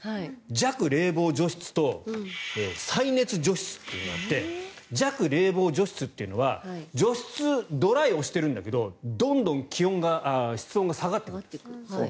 弱冷房除湿と再熱除湿というのがあって弱冷房除湿っていうのは除湿、ドライを押しているんだけどどんどん室温が下がってくる。